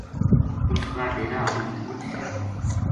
اُس کا ڈیرا ہاڑی مچ سیانی تھی